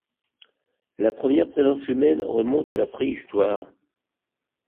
La première présence humaine remonte à la Préhistoire.